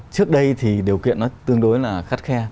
trước đây thì điều kiện nó tương đối là khắt khe